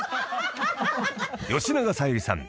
［吉永小百合さん